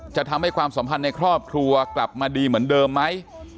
ทำให้ความสัมพันธ์ในครอบครัวกลับมาดีเหมือนเดิมไหม